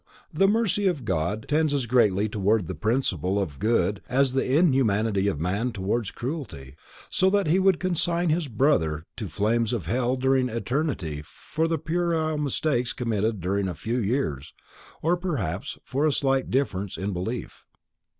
The mercy of God tends as greatly towards the principle of GOOD as "the inhumanity of man" towards cruelty, so that he would consign his brother men to flames of hell during eternity for the puerile mistakes committed during a few years, or perhaps for a slight difference in belief.